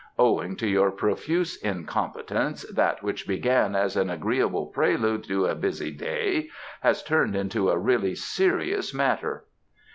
Owing to your profuse incompetence that which began as an agreeable prelude to a busy day has turned into a really serious matter."